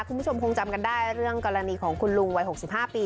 คุณผู้ชมคงจำกันได้เรื่องกรณีของคุณลุงวัย๖๕ปี